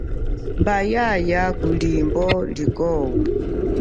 Mba, yaaya kulimbo likwo.